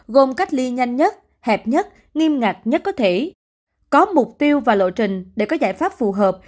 gồm cách ly nhanh nhất hẹp nhất nghiêm ngặt nhất có thể có mục tiêu và lộ trình để có giải pháp phù hợp